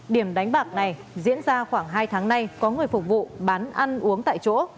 điểm đánh bạc này diễn ra khoảng hai tháng nay có người phục vụ bán ăn uống tại chỗ